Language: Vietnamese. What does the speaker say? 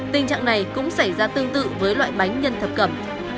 tình trạng này cũng xảy ra tương tự với loại bánh nhân thập cầm